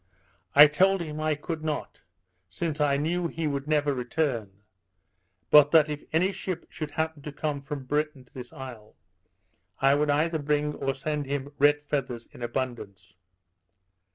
I told him I could not, since I knew he would never return; but that if any ship should happen to come from Britain to this isle, I would either bring or send him red feathers in abundance.